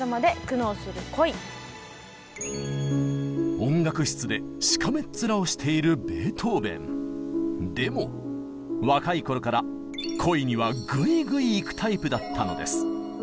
音楽室でしかめっ面をしているでも若い頃から恋にはグイグイいくタイプだったのです。